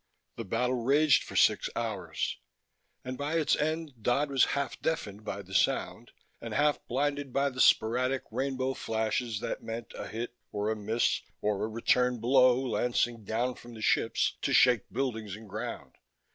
The battle raged for six hours, and by its end Dodd was half deafened by the sound and half blinded by the sporadic rainbow flashes that meant a hit or a miss or a return blow, lancing down from the ships to shake buildings and ground.